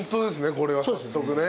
これは早速ね。